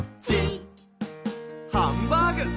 「ハンバーグ」！